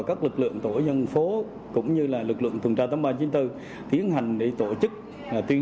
các lực lượng tổ dân phố cũng như là lực lượng tuần tra tấm ba chín tư tiến hành để tổ chức tuyên